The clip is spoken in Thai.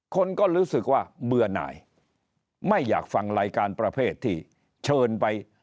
คนก็รู้สึกว่าเบื่อหน่ายไม่อยากฟังรายการประเภทที่เชิญไป